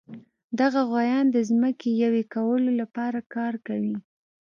دغه غوایان د ځمکې یوې کولو لپاره کار کوي.